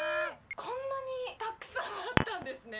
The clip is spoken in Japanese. こんなにたくさんあったんですね。